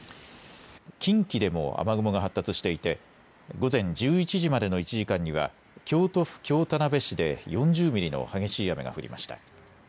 近畿でも雨雲が発達していて午前１１時までの１時間には京都府京田辺市で４０ミリの激しい雨が降りました。